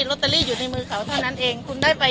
ลอตเตอรี่อยู่ในมือเขาเท่านั้นเองคุณได้ไป